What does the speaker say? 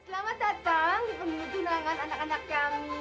selamat datang di pembunuh tunangan anak anak kami